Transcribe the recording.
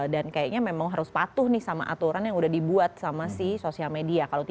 kayaknya memang harus patuh nih sama aturan yang udah dibuat sama si sosial media